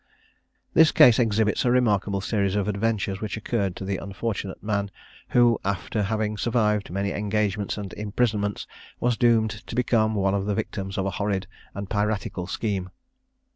This case exhibits a remarkable series of adventures which occurred to the unfortunate man, who, after having survived many engagements and imprisonments, was doomed to become one of the victims of a horrid and piratical scheme.